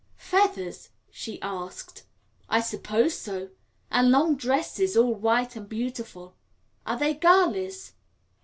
"Feathers?" she asked. "I suppose so, and long dresses, all white and beautiful." "Are they girlies?"